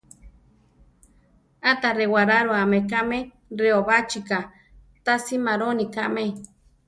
Áta rewaráruame kame reobachi ká, ta simaroni kame.